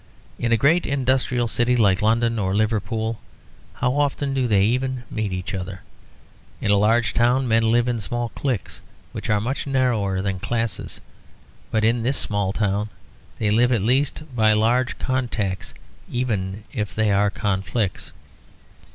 In a great industrial city like London or Liverpool, how often do they even meet each other? In a large town men live in small cliques, which are much narrower than classes; but in this small town they live at least by large contacts, even if they are conflicts.